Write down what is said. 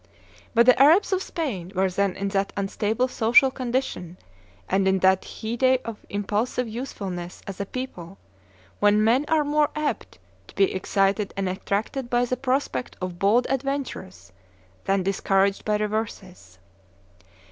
But the Arabs of Spain were then in that unstable social condition and in that heyday of impulsive youthfulness as a people, when men are more apt to be excited and attracted by the prospect of bold adventures than discouraged by reverses.